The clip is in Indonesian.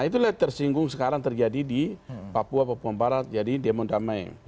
itulah tersinggung sekarang terjadi di papua papua barat jadi demon damai